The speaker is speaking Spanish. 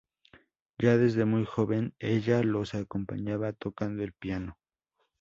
Ya desde muy joven, ella los acompañaba tocando el piano.